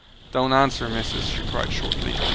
"Don't answer, missus!" she cried shortly.